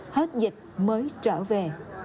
hết dịch mới trở về